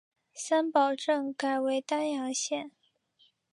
三堡镇改为丹阳县。